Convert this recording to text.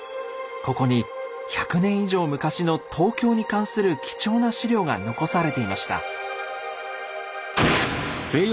ここに１００年以上昔の東京に関する貴重な史料が残されていました。